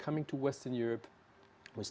datang ke eropa barat